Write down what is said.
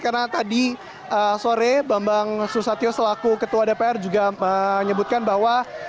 karena tadi sore bambang susatyo selaku ketua dpr juga menyebutkan bahwa